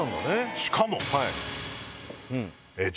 しかも。